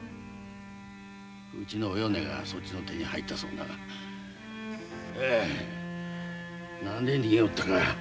うちのおよねがそっちの手に入ったそうだがうう何で逃げおったか。